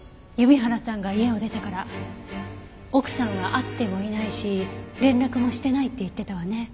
弓原さんが家を出てから奥さんは会ってもいないし連絡もしてないって言ってたわね。